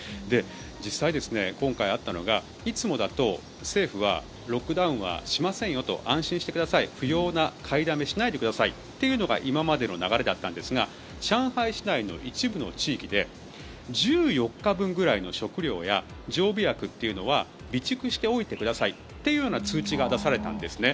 実際、今回あったのがいつもだと政府はロックダウンしませんよ安心してください不要な買いだめしないでくださいというのが今までの流れだったんですが上海市内の一部の地域で１４日分くらいの食料や常備薬というのは備蓄しておいてくださいというような通知が出されたんですね。